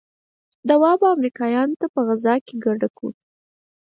دوا به امريکايانو ته غذا کې ګډه کو.